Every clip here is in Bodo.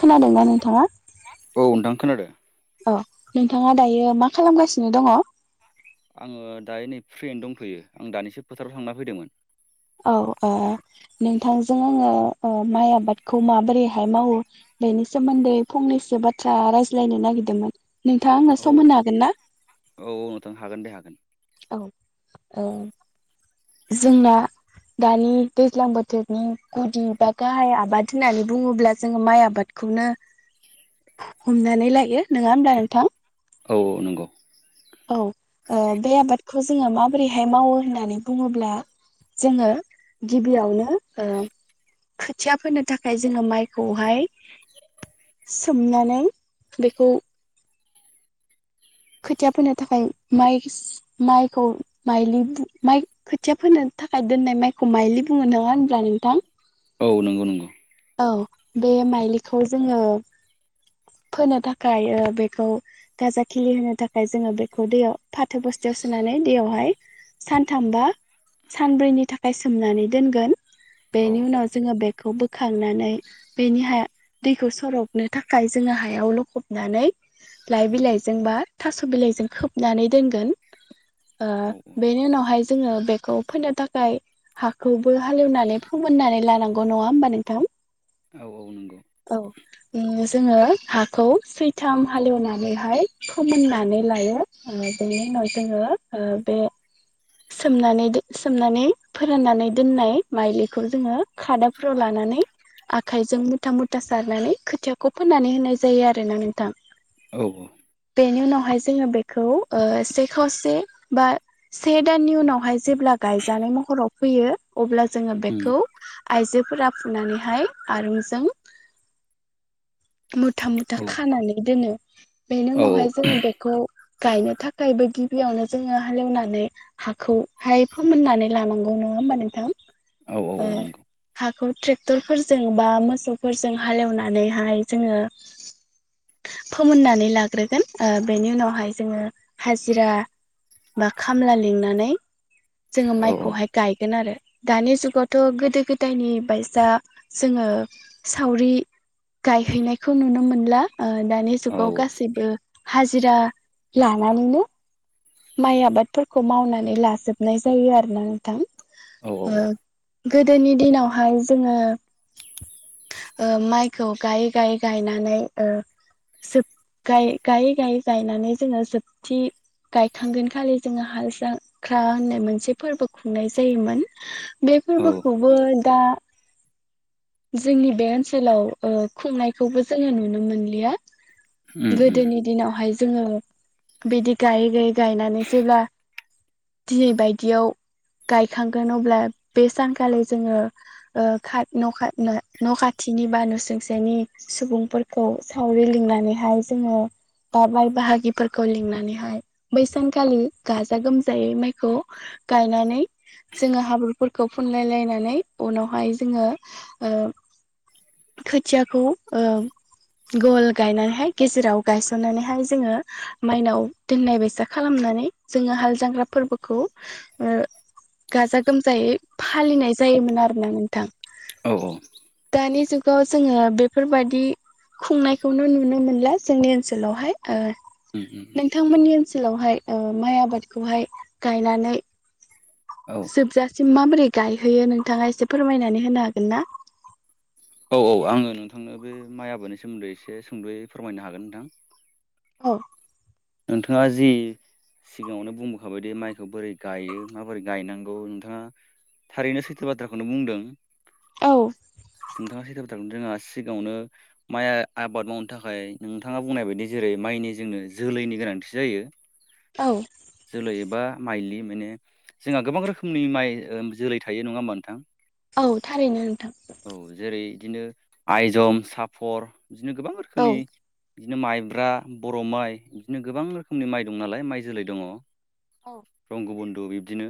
खोनादोंना नोंथाङा औ नोंथां खोनादों अ नोंथाङा दायो मा खालामगासिनो दङ आङो दायो नै फ्रियैन दंथयो आं दानिसो फोथाराव थांना फैदोंमोन औ आ नोंथांजों आङो ओ माइ आबादखौ माबोरैहाय मावो बेनि सोमोन्दै फंनैसो बाथ्रा रायज्लायनो नागिरदोंमोन नोंथाङा आंनो औ सम होनो हागोनना औ औ नोंथां हागोन दे हागोन औ ओ जोंना दानि दैज्लां बोथोरनि गुदि बा गाहाय आबाद होननानै बुङोब्ला जोङो माइ आबाद खौनो हमनानै लायो नोङा होमब्ला नोंथां औ औ नंगौ औ ओ बे आबादखौ जोङो माबोरैहाय मावो होननानै बुङोब्ला जोङो गिबियावनो ओ खोथिया फोनो थाखाय जोङो माइखौहाय सोमनानै बेखौ खोथिया फोनो थाखाय माइस माइखौ माइलि बुङो माइ खोथिया फोनो थाखाय दोननाय माइखौ माइलि बुङो नोङा होनब्ला नोंथां औ नंगौ नंगौ औ बे माइलिखौ जोङो फोनो थाखाय ओ बेखौ गाजा खिलि होनो थाखाय जोङो बेखौ दैयाव फाथो बस्थायाव सोनानै दैयावहाय सानथामबा सानब्रैनि थाखाय सोमनानै दोनगोन औ बेनि उनाव जोङो बेखौ बो खांनानै बेनि हाया दैखौ सरबनो थाखाय जोङो हायाव लखबनानै लाइ उम उम बिलाइजों बा थास' बिलाइजों खोबनानै दोनगोन ओ औ बेनि उनावहाय जोङो बे खौ फोनो थाखाय हाखौबो हालेवनानै फोमोननानै लानांगौ नङा होमबा नोंथां औ औ नंगौ ओ जोङो हाखौ सैथाम हालेवनानैहाय फोमोननानै लायो ओ बेनि उनाव जोङो ओ बे सोमनानै दो सोमनानै फोराननानै दोननाय माइलिखौ जोङो खादाफोराव लानानै आखाइजों मुथा मुथा सारनानै खोथियाखौ फोनानै होनाय जायो आरोना नोंथां औ औ नि उनावहाय जोङो बेखौ ओ से खावसे बा से दाननि उनावहाय जेब्ला गा जानाय महराव फैयो अब्ला जोङो उम बेखौ आइजोफोरा फुनानैहाय आरुमजों मुथा मुथा औ खानानै दोनो बेनि औ उनावहाय जोङो बेखौ गायनो थाखायबो गिबियावनो जोङो हालेवनानै हाखौहाय फोमोननानै लानांगौमोन नंङा होमबा नोंथां औ औ ओ नों हाखौ ट्रेक्टरफोरजों बा मोसौफोरजों हालेवनानैहाय जोङो फोमोननानै लाग्रोगोन ओ बेनि उनावहाय जोङो हाजिरा बा खामला लिंनानै जोङो औ औ माइखौहाय गायगोन आरो दानि जुगावथ' गोदो गोदायनि बाय दा जोङो सावरि गायहैनायखौ नुनो मोनला ओ दानि ओ औ जुगाव गासैबो हाजिरा लानानैनो माइ आबादफोरखौ मावनानै लाजोबनाय जायो आरोना नोंथां औ औ ओ औ गोदोनि दिनावहाय जोङो ओ माइखौ गायै गायै गायनानै ओ सोब गायै गायै गयै गायनानै जोङो जोबथि गायखांगोन खालि जोङो हाल जांख्रा होननाय मोनसे फोरबो खुंनाय जायोमोन बे औ फोरबोखौबो दा जोंनि बे ओनसोलाव ओ खुंनायखौबो जोङो नुनो मोनलिया उम उम गोदोनि दिनावहाय जोङो बिदि गायै गायै गायनानै जेब्ला दिनै बायदियाव गायखांगोन अब्ला बे सानखालि जोङो ओ खा न' खा ना न' खाथिनि बा न'सुंसेनि सुबुंफोरखौ सावरि लिंनानैहाय जोङो बा बाय बाहागिफोरखौ लिंनानैहाय बै सानखालि गाजा गोमजायै माइखौ गायनानै जोङो हाब्रुफोरखौ फुनलाय लायनानै उनावहाय जोङो ओ खोथियाखौ ओ गल गायनानैहाय गेजेराव गायसननानैहाय जोङो माइनाव दोननाय बेसा खालामनानै नानै जोङो हाल जांग्रा फोरबोखौ ओ गाजा गोमजायै फालिनाय जायोमोन आरो ना नोंथां औ औ खौ जोङो बेफोरबायदि खुंनायखौनो नुनो मोनला जोंनि ओनसोलावहाय ओ उम उम नोंथांमोननि ओनसोलावहाय ओ माइ आबादखौहाय गायनानै औ जोब जा सिम माबोरै गायहैयो नोंथाङा एसे फोरमायनानै होनो हागोन ना औ औ आङो नोंथांनो बे माइ आबादनि सोमोन्दै एसे सुंद'यै फोरमायनो हागोन नोंथां औ नोंथाङा जि सिगाङावनो बुंबोखाबायदि माइखौ बोरै गायो माबोरै गायनांगौ नोंथाङा थारैनो सैथो बाथ्राखौनो बुंदों औ नोंथाङा सैथो बाथ्रा जोंहा सिगाङावनो माइ आबाद मावनो थाखाय नोंथाङा बुंनाय बायदि जेरै माइनि जोंनो जोलैनि गोनांथि जायो औ जोलै एबा माइलि माने जोंहा गोबां रोखोमनि माइ ओ जोलै थायो नङा होमबा नोंथां औ थारैनो नोंथां औ जेरै बिदिनो आइजम सापर बिदिनो गोबां औ रोखोमनि बिदिनो माइब्रा बर' माइ बिदिनो गोबां रोखोमनि माइ दं नालाय माइ जोलै दङ रंग बन्ध' बिब्दिनो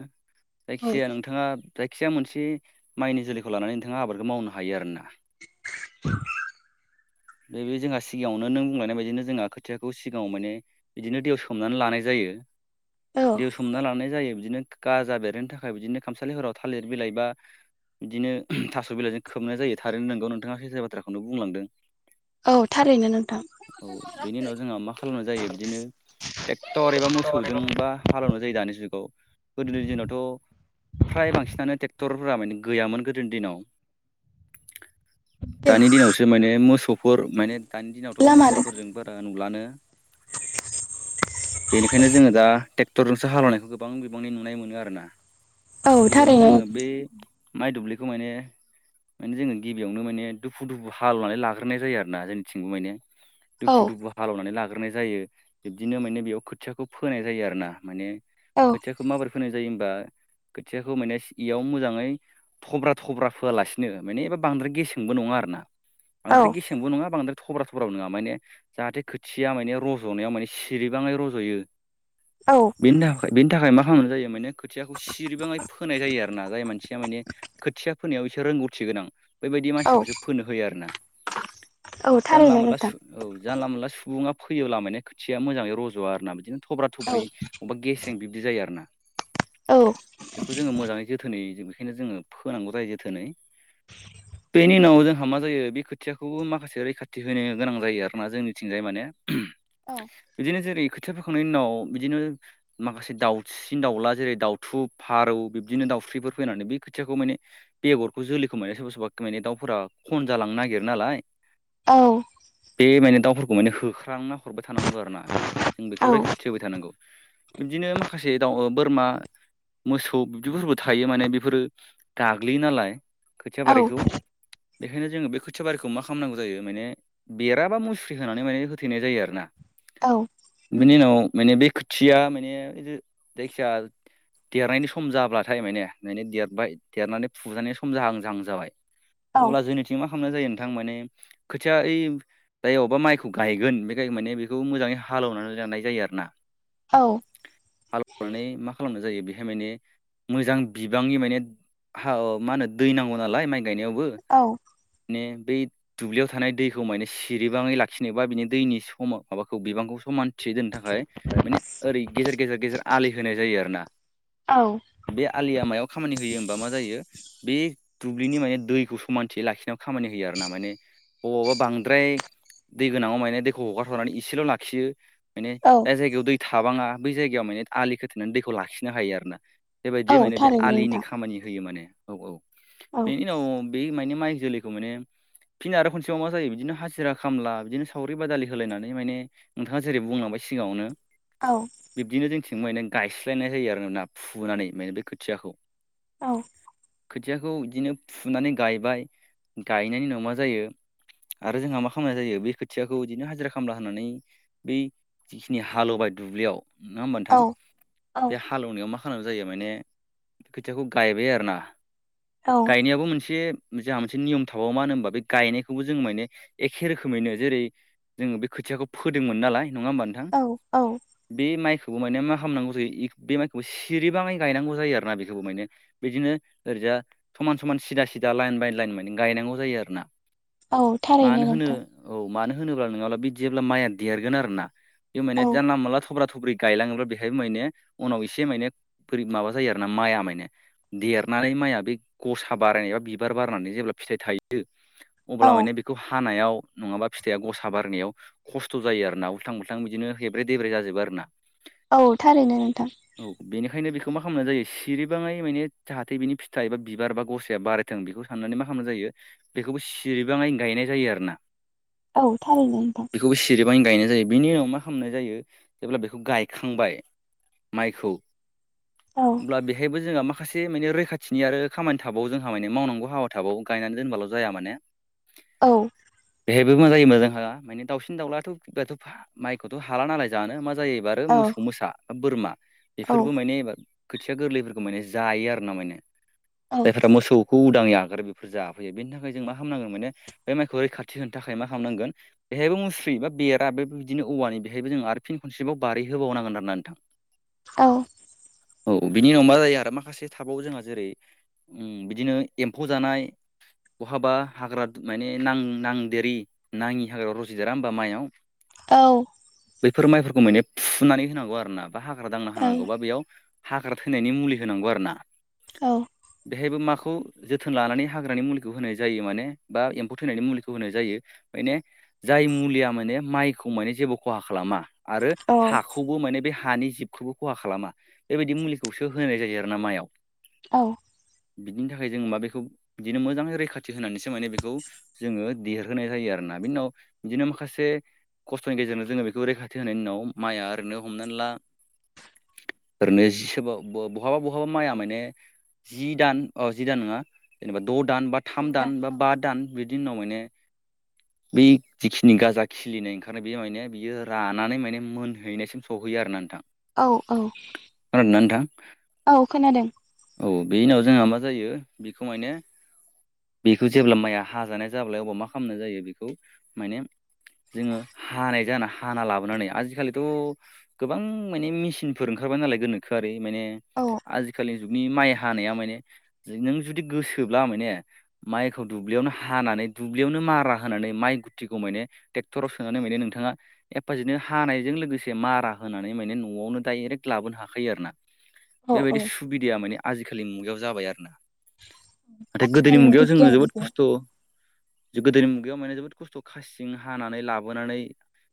औ जायखिजाया नोंथाङा जायखिजाया मोनसे माइनि जोलैखौ लानानै नोंथाङा आबादखौ मावनो हायो आरो ना औ [inaudible] बे बे जोंहा सिगाङावनो नों बुंलायनाय बायदिनो जोंहा खोथियाखौ सि सिगाङाव माने बिदिनो दैेआव सोमनानै लानाय जायो औ दैेआव सोमना लानाय जायो बिदिनो गाजा बेरनो थाखाय बिदिनो खामसालिफोराव थालिर बिलाइ बा बिदिनो थास' बिलाइजों खोबनाय जायो थारैनो नोंगौ नोंथाङा सैथो बाथ्राखौनो बुंलांदों औ थारैनो नोंथां औ बेनि उनाव जोंहा मा खालामनाय जायो बिदिनो ट्रेक्टर एबा मोसौजों बा हालेवनाय जायो दानि जुगाव गोदोनि दिनावथ' फ्राय बांसिनानो ट्रेक्ट टरफ्रा माने गैयामोन गोदोनि दिनाव दे दानि दिनावसो माने मोसौ फोर माने दानि दिनावथ' लामा मोसौफोरजों बारा नुलानो [inaudible] बेनिखायनो जोङो दा ट्रेक्टरजोंसो हालेवनायखौ गोबां बिबांनि नुनाय मोनो आरोना औ गिबियावनो थारैनो जोङो बे माइ दुब्लिखौ माने माने जोङो गिबियावनो माने दुफु दुफु हालेवनानै लाग्रोनाय जायो आरो ना जोंनिथिंबो माने औ दुफु दुफु हालेवनानै लाग गोरनाय जायो बिब्दिनो माने बेयाव खोथियाखौ फोनाय जायो आरो ना माने औ खोथियाखौ माबोरै फोनाय जायो होनबा खोथियाखौ माने इयाव मोजाङै थब्रा थब्रा फोयालासिनो माने एबा बांद्राय गेसेंबो नङा आरो ना औ बांद्राय गेसेंबो नङा बांद्राय थब्रा थब्राबो नङा माने जाहाथे खोथि थिया माने रज'नायाव माने सिरिबाङै रज'यो औ बेनि थाखाय बेनि थाखाय माखा फांल' जायो माने खोथियाखौ सिरिबाङाय फोनाय जायो आरो ना जाय मानसिया माने खोथिया फोनायाव एसे रोंगौथि गोनां बेबायदि औ मानसिखौसो फोनो होयो आरोना औ जानला थारैनो मोनला नोंथां सु औ जानला मोनला सु सुबुङा फैयोब्ला माने खोथिया मोजाङै रज'आ आरोना बिदिनो थब्रा औ थब्रि बबेबा गेसें बिब्दि जायो आरो ना औ बेखौ जोङो मोजाङै जोथोनै जों बेखायनो जोङो फोनांगौ जायो जोथोनै बेनि उनाव जोंहा मा जायो बे खोथियाखौबो माखासे रैखाथि होनो गोनां जायो आरोना जोंनिथिं थिंजाय माने औ बिदिनो जेरै खोथिया फोखांनायनि उनाव बिदिनो माखासे दाउसिन दाउला जेरै दाउथु फारौ बिब्दिनो दा दाउस्रिफोर फैनानै बेै खोथियाखौ माने बेगरखौ जोलैखौ माने सोरबा सोरबा माने दाउफोरा खनजा लांनो नागिरोना नालाय औ बे माने दाउफोरखौ माने होख्रांना हरबाय थानांगौ आरो ना जों बेखौ रैखाथि होबाय थानांगौ बिब्दिनो माखासे दाउ बोरमा मोसौ बिदिफोरबो थायो माने बेफोरो गाग्लियो नालाय खोथिया औ बारिखौ बेखायनो जोङो बे खोथिया बारिखौ मा खालामनांगौ जायो माने बेराबा मुस्रि मुस्रि होनानै माने होथैनाय जायो आरोना। औ बिनि उनाव माने बे खोथिया माने जायखिया देरनायनि सम जाब्लाथाय माने मे देरबाय देरनानै फुजानाय सम जाहां जाहां जाबाय अब्ला जोंनिथिं मा खालामनाय जायो नोंथां माने खोथिया ओइ जायाव बबेबा माइखौ गायगोन बे माने बेखौ मोजाङै हालेवनानै लानाय जायो आरो ना। हालेवनानै मा खालामनाय जायो बेहाय माने मोजां बिबांनि माने मा होनो दै नांगौ नालाय माइ गायनायावबो औ माने बै दुब्लियाव थानाय दैखौ माने सिरिबाङै ला खिनोबा बिनो दैनि समाव माबाखौ बिबांखौ समान थि दोननो थाखाय माने ओरै गेजेर गेजेर गेजेर आलि होनाय जायो आरोना। बे आलिया मायाव खामानि होयो होमबा मा जायो बे दुब्लिनि माने दैखौ समानथि लाखिनायाव खामानि होयो आरोना। माने बबावबा बांद्राय दै गोनाङाव माने दैखौ हगारथनानै इसेल' लाखियो। माने औ जाय जायगायाव दै थाबाङा बै जायगायाव माने आलि खोथेनानै दैखौ लाखिनो हायो आरोना। बेबायदि औ माने बे थारैनो आलिनि नोंथां खामानि होयो माने। औ औ औ बेनि उनाव बे माने माइ जैलैखौ माने फिन आरोबाव खनसेबाव मा जायो बिदिनो हाजिरा खामला बिदिनो सावरि बादालि होलायनानै माने नोंथाङा जेरै बुंलांबाय सिगाङावनो औ बिब्दिनो जोंथिं माने गायस्लायनाय जायो आरोना फुनानै माने बे खोथियाखौ औ खोथियाखौ बिदिनो फुनानै गायबाय गायनायनि उनाव मा जायो आरो जोंहा मा खालामनाय जायो बे खोथियाखौ बिदिनो हाजिरा खामला होननानै बै जिखिनि हालेवबाय दुब्लियाव नङा होमबा नोंथां औ औ बे हालेवनायाव मा खालाम जायो माने बे खोथियाखौ गायबाय आरोना। गायनायाबो मोनसे जोंहा मोनसे नियम थाबावो मानो होनोबा बे गायनायखौबो जोंङो माने एखे रोखोमैनो जेरै जोङो बे खोथियाखौ फोदोंमोन नालाय नङा होमबा नोंथां? औ बे माइखौ बो माने मा खालामनौ जायो बे माइखौबो सिरिबाङै गायनांगौ जायो आरोना। बेखौबो माने बिदिनो दा समान समान सिदा सिदा लाइन बाय लाइन माने गायनांगौ जायो आरो ना। औ मानो थारैनो होनो नोंथां औ मानो होनोब्ला नङाब्ला बिदिब्ला माइआ देरगोन आरोना बे मान औ जानला मोनला थब्रा थुब्रि गायलाङोब्ला बेहायबो माने उनाव एसे माने बोरै माबा जायो आरोना माइया माने। देरनानै माइया बै गसा बारायनाया बिबार बारनानै जेब्ला फिथाइ थायो अब्ला औ माने बेखौ हानायाव नङाबा फिथाइया गसा बारनायाव खस्थ' जायो आरोना उल्थां उल्थां बिदिनो हेब्रे देब्रे जाजोबो आरो ना। औ थारैनो नोंथां। बेनिखायनो बेखौ मा खालामना जायो सिरिबाङै माने जाहाथे बिनि फिथा एबा बिबार बा गसाया बारायथों बेखौ साननानै मा खालामना जायो बेखौबो सिरिबाङैनो गायनाय जायो आरो ना। औ थारैनो नोंथां। गोबां गायनाय जायो बेनि उनाव मा खालामनाय जायो जेब्ला बेखौ गायखांबाय माइखौ औ होमब्ला बेहायबो जोंहा मा माखासे माने रैखाथिनि आरो खामानि थाबावो जोंहा माने मावनांगौ हाबा थाबावो गायनानै दोनबाल' जाया माने। औ बेहायबो मा जायो होनबा जोंहा माने दाउसिन दाउलाथ'थ' माइखौथ हाला नालाय जानो मा जायो आरो औ मोसौ मोसा बोरमा औ बेफोरबो माने इबार खोथिया गोरलैफोरखौ माने जायो आरोना। माने जायफोरा मोसौखौ उदांयै आरो बेफोर जाफैयो। बेनि थाखाय जों मा खालामनांगोन माने बे माइखौ रैखाथि होनो थाखाय मा खालामनांगोन बेहायबो मुस्रि बा बेरा बे बिदिनो औवानि बेहायबो जों आरो फिन खनसेबाव बारि होबावनांगोन आरो ना नोंथां। औ औ बिनि उनाव मा जायो आरो माखासे थाबाव जोंहा जेरै बिदिनो एम्फौ जानाय बहाबा हाग्रा माने नां नांदेरि नाङि हाग्रा रजदेरा होमबा माइआव औ बेफोर माइफोरखौ माने फुनानै होनांगौ आरो ना बा हाग्रा दांना होनांगौ बा बेयाव हाग्रा थैनायनि मुलि होनांगौ आरो ना औ बेहायबो माखौ जोथोन लानानै हाग्रानि मुलिखौ होनाय जायो माने बा एम्फौ थैनायनि मुलिखौ होनाय जायो माने जाय मुलिया माने माइखौ माने जेबो खहा खालामा आरो औ औ हाखौबो माने बे हानि जिबखौबो खहा खालामा बेबायदि मुलिखौसो होनाय जायो आरोना माइआव औ बिदिनि थाखाय जोङो माबेखौ बिदिनो मोजाङै रैखाथि होनानैसो माने खौ जोङो देरहोनाय जायो आरोना बिनि उनाव बिदिनो माखासे खस्थ'नि गेजेरजों जोङो बेखौ रैखाथि होनायनि उनाव माइआ ओरैनो हमनानै ला ओरैनो जि सोरबा ब-बहाबा बहाबा माइया माने जि दान अ जि दान नङा जेनेबा द' दान बा थाम दान बा बा दान बिदि उनाव माने बि जिखिनि गाजा खिलिनाय ओंखारनाय बेयो माने बियो रानानै माने मोनहैनायसिम सहै हैयो आरोना नोंथां। औ औ खोनादोंना नोंथां? औ खोनादों औ बेनि उनाव जोंहा मा जायो बेखौ माने बेखौ जेब्ला माइया हाजानाय जाब्ला अबा मा खालामनाय जायो बेखौ माने जोङो हानाय जाना हाना लाबोनानै आजिखालिथ' गोबां माने मेसिनफोर ओंखार खारबाय नालाय गोनोखोआरि माने औ आजिखालि जुगनि माइया हानाया माने दि नों जुदि गोसोब्ला माने माइखौ दुब्लियावनो हा हानानै दुब्लियावनो मारा होनानै माइ गुथिखौ माने टेक्टराव सोनानै माने नोंथाङा एफाजिनो हानायजों लोगोसे मारा होनानै माने न'आवनो डाइरेक्ट लाबोनो हाखायो आरोना। औ औ बेबायदि सुबिदाया माने आजिखालि मुगायाव जाबाय आरोना। नाथाय गोदोनि आथिखालनि मुगायाव जोङो जोबोद बिगियानजों खस्थ' जो गोदोनि मुगायाव माने जोबोद खस्थ' खासिजों हानानै लाबोनानै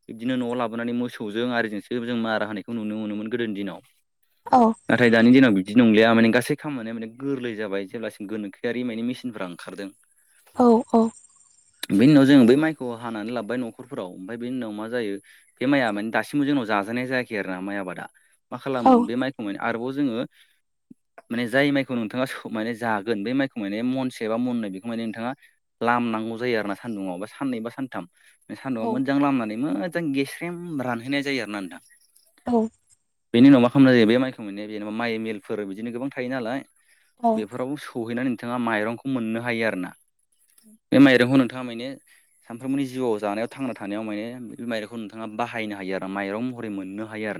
बिबदिनो न'आव लाबोनानै मोसौजों आरिजोंसो जों मारा होनायखौ नुनो मोनोमोन गोदोनि दिनाव। औ नाथाय दानि दिनाव बिदि नंलिया माने गासै खामानिया माने गोरलै जाबाय जेब्लासिम गोनोखोआरि माने मेसिनफ्रा ओंखारदों। औ औ। बेनि उनाव जों बै माइखौ हानानै लाबोबाय नखरफोराव ओमफ्राय बेनि उनाव मा जायो बे माइया माने दासिमबो जोंनाव जानाय जायाखै आरोना माइ आबादा मा खालामो औ बे माइखौ माने आरोबाव जोङो माने जाय माइखौ नोंथाङा सो माने जागोन बे माइखौ माने मनसे एबा मननै बेखौ माने नोंथाङा लामनांगौ जायो आरोना सान्दुुंआव बा साननै बा सानथाम बे सान्दुंआव औ मोज्जां लामनानै मोज्जां गेस्रेम रानहोनाय जायो आरोना नोंथां। औ। नि उनाव मा खालामनाय जायो बे माइखौ माने बेनेबा माइ मिलफोर बिदिनो गोबां थायो नालाय औ बेफोराव सहैनानै नोंथाङा माइरंखौ मोननो हायो आरोना बे माइरंखौ नोंथां थाङा माने सानफ्रोमबोनि जिउआव जानायाव थांना थानायाव माने बे-बे माइरंखौ नोंथाङा बाहायनो हायो आरो माइरं महरै मोननो हायो आर